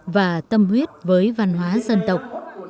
và tâm huyết với văn hóa dân tộc